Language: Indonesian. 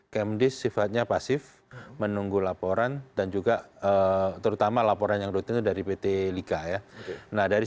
komdis sifatnya pasif menunggu laporan dan juga terutama laporan yang rutin itu dari pt lika ya